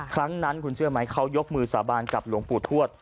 ครั้งนั้นคุณเชื่อไหมเขายกมือสาบานกับหลวงปู่ทวด